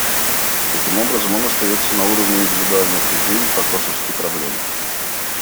Таким образом, он остается на уровне индивидуальных идей по косовской проблеме.